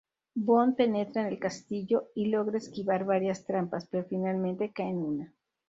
Bond penetra el castillo y logra esquivar varias trampas, pero finalmente cae en una.